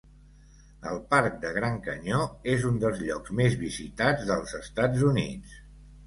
El parc de Gran Canyó és un dels llocs més visitats dels Estats Units.